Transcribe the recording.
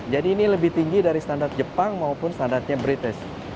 jadi ini lebih tinggi dari standar jepang maupun standarnya british